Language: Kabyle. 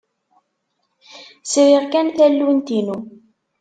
Sriɣ kan tallunt-inu.